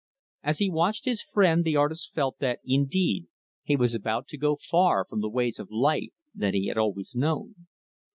As he watched his friend, the artist felt that, indeed, he was about to go far from the ways of life that he had always known.